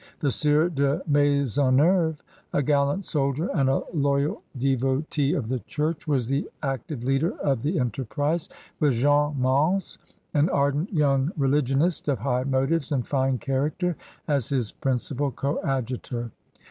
The Sieur de Maisonneuve, a gallant soldier and a loyal devotee THE FOUNDING OF NEW FRANCE 55 ot the Church, was the active leader ci the enter prise, with Jeanne Mance, an ardent young reli gionist of high motives and fine character, as his principal coadjutor.